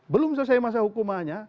belum selesai masa hukumannya